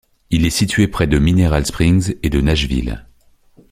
Il est situé près de Mineral Springs et de Nashville.